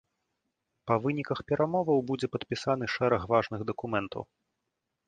Па выніках перамоваў будзе падпісаны шэраг важных дакументаў.